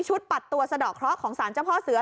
ชุดปัดตัวสะดอกร้อยของสารเจ้าพ่อเสือ